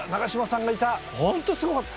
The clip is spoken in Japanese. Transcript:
本当すごかった。